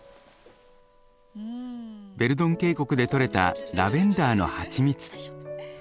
ヴェルドン渓谷で採れたラベンダーの蜂蜜。